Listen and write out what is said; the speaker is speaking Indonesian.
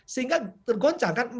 sehingga tergoncang kan